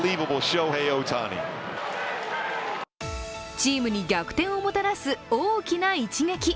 チームに逆転をもたらす大きな一撃。